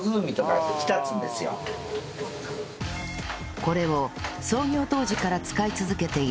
これを創業当時から使い続けている